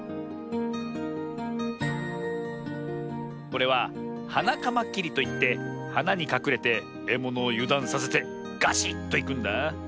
これはハナカマキリといってはなにかくれてえものをゆだんさせてガシッといくんだ。